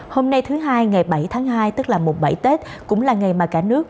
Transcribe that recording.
hôm nay thứ hai ngày bảy tháng hai tức là mùng bảy tết cũng là ngày mà cả nước